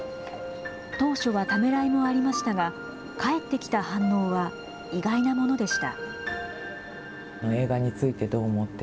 当初はためらいもありましたが、返ってきた反応は意外なものでした。